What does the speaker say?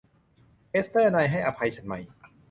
เอสเตอร์ นายให้อภัยฉันไหม